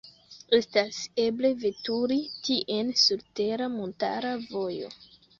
Estas eble veturi tien sur tera montara vojo.